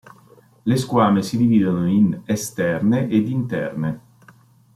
Le squame si dividono in esterne ed in interne.